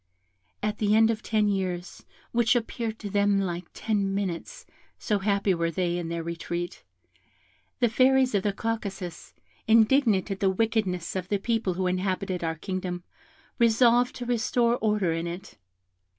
At the end of ten years (which appeared to them like ten minutes, so happy were they in their retreat), the fairies of the Caucasus, indignant at the wickedness of the people who inhabited our kingdom, resolved to restore order in it.